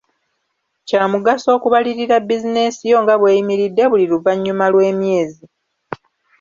Kyamugaso okubalirira bizinensi yo nga bw’eyimiridde buli luvannyuma lw’emyezi.